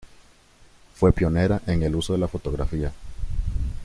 Fue pionera en el uso de la fotografía.